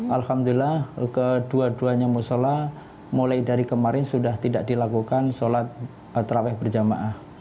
alhamdulillah kedua duanya musola mulai dari kemarin sudah tidak dilakukan sholat terawih berjamaah